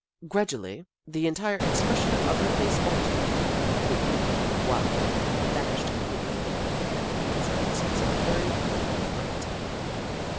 Gradually, the entire expression of her face altered. The eerie, wild look had vanished completely, and in its place was a very normal fright.